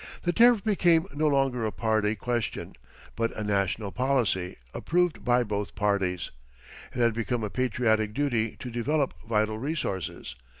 The tariff became no longer a party question, but a national policy, approved by both parties. It had become a patriotic duty to develop vital resources.